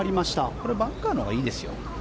これバンカーのほうがいいですよ。